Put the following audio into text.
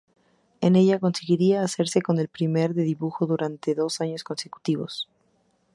En ella conseguiría hacerse con el primer de dibujo durante dos años consecutivos.